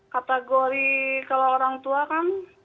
kategori kalau orang tua kan